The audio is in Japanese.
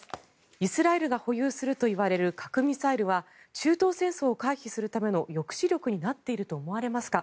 イスラエルが保有するといわれる核ミサイルは中東戦争を回避するための抑止力になっていると思われますか。